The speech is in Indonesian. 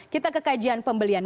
kita ke kajian pembelian